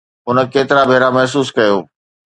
هن ڪيترا ڀيرا محسوس ڪيو؟